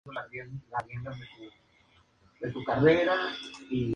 El siguiente cladograma de Apesteguía "et al.